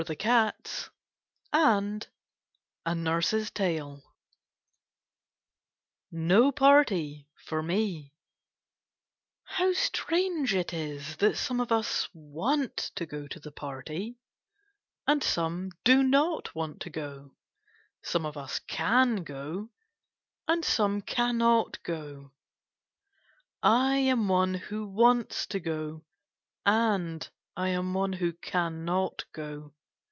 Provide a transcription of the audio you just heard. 16 KITTENS ANJy CATS NO PARTY FOR ME How strange it is that some of us want to go to the party, and some do no ^ want to go. Some of us can go, and some can not go. I am one who wants to go, and I am one who cannot go.